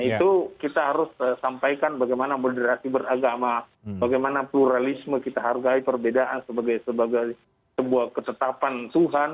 itu kita harus sampaikan bagaimana moderasi beragama bagaimana pluralisme kita hargai perbedaan sebagai sebuah ketetapan tuhan